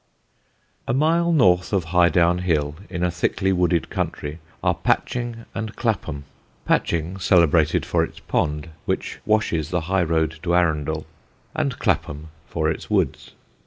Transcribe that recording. A mile north of Highdown Hill, in a thickly wooded country, are Patching and Clapham; Patching celebrated for its pond, which washes the high road to Arundel, and Clapham for its woods.